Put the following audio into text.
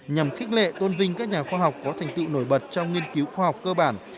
nhằm khích lệ tôn vinh các nhà khoa học có thành tựu nổi bật trong nghiên cứu khoa học cơ bản